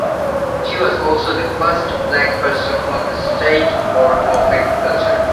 She was also the first Black person on the State Board of Agriculture.